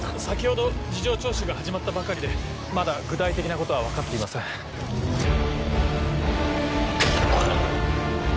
先ほど事情聴取が始まったばかりでまだ具体的なことは分かっていません。